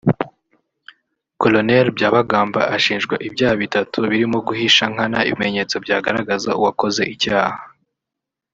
Col Byabagamba ashinjwa ibyaha bitatu birimo guhisha nkana ibimenyetso byagaragaza uwakoze icyaha